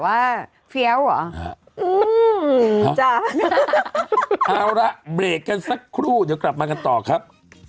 ว่าเพี้ยวหรอเอาละเบรกกันสักครู่เดี๋ยวกลับมากันต่อครับ